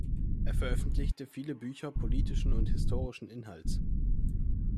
Er veröffentlichte viele Bücher politischen und historischen Inhalts.